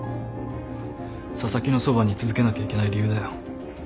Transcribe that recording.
紗崎のそばに居続けなきゃいけない理由だよ。